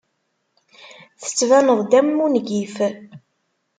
Tettbaneḍ-d am wungif.